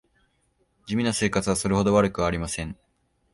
地味な生活はそれほど悪くはありません